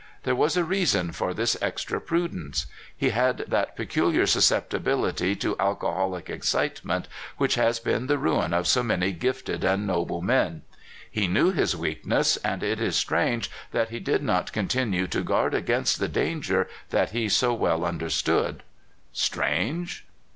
There was a reason for this extra prudence. He had that peculiar susceptibility to alcoholic excite ment which has been the ruin of so many gifted and noble men. He knew his weakness, and it is strange that he did not continue to guard against the danger that he so well understood. Strange?